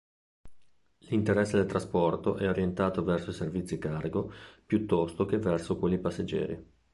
L'interesse del trasporto è orientato verso i servizi cargo piuttosto che verso quelli passeggeri.